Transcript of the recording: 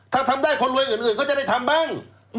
ถ้าทำได้คนรวยอื่นก็จะได้ทำบ้าง